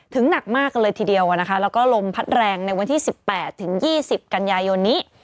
ถึงหนักมากเลยทีเดียวอ่ะนะคะแล้วก็ลมพัดแรงในวันที่สิบแปดถึงยี่สิบกันยายนนี้